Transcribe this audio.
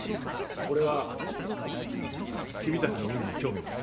俺は君たちの運に興味がある。